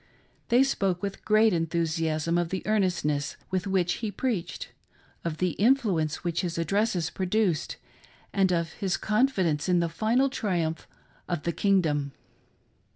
They spoke with great enthusiasm of the earnestness with which he preached, of the influence which his addresses produced, and of his confidence in the final triumph of " the kingdom."